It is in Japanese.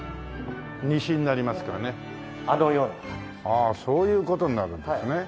ああそういう事になるんですね。